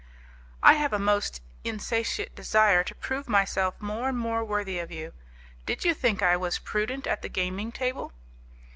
"I have a most insatiate desire to prove myself more and more worthy of you. Did you think I was prudent at the gaming table?"